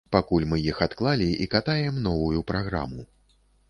Пакуль мы іх адклалі і катаем новую праграму.